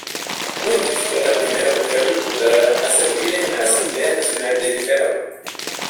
Núñez fue la primera mujer diputada a servir en la Asamblea Nacional de Nicaragua.